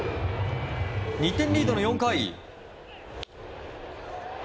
２点リードの４回。